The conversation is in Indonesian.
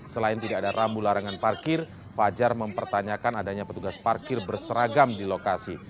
selain tidak ada rambu larangan parkir fajar mempertanyakan adanya petugas parkir berseragam di lokasi